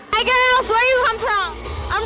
dari mana kamu datang